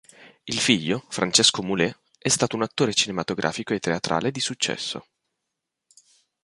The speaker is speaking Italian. Il figlio, Francesco Mulè, è stato un attore cinematografico e teatrale di successo.